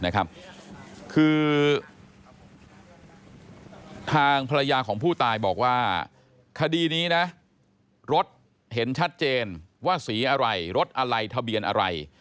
คือทางภรรยาของผู้ตายบอกว่าคดีนี้นะรถเห็นชัดเจนว่าสีอะไรรถอะไรทะเบียนอะไร